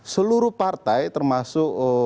seluruh partai termasuk